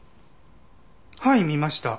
はい見ました。